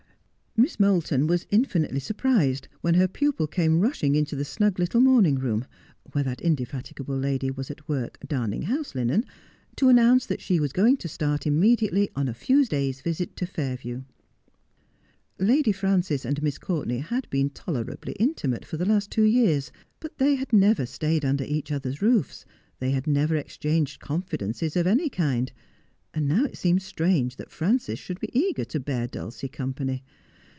Miss Moulton was infinitely surprised when her pupil came rushing into the snug little morning room where that indefatig able lady was at work darning house linen, to announce that she was going to start immediately on a few days' visit to Fairview. Lady Frances and Miss Courtenay had been tolerably inti mate for the last two years, but they had never stayed under each other's roofs, they had never exchanged confidences of anv kind ; and now it seemed strange that Frances should be ea<rer to bear Dulcie company.